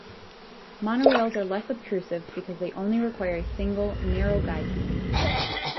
Monorails are less obtrusive because they only require a single, narrow guidebeam.